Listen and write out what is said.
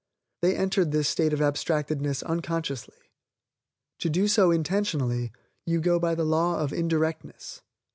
They entered this state of abstractedness unconsciously. To do so intentionally, you go by the law of indirectness.